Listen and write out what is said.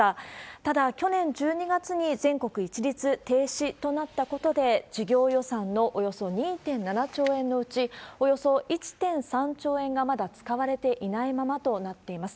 ただ、去年１２月に全国一律停止となったことで、事業予算のおよそ２．７兆円のうち、およそ１．３兆円がまだ使われていないままとなっています。